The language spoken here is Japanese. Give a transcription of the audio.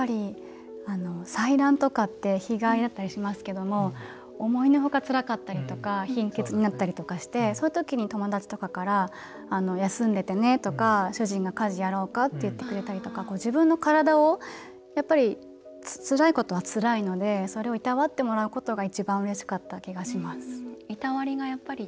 採卵とかってあったりしますけれども思いのほか、つらかったりとか貧血になったりとかしてそういう時に友達から「休んでてね」とか「主人が家事やろうか？」って言ってくれたり自分の体がつらいのはつらいのでそれをいたわってもらうことが一番うれしかった気がします。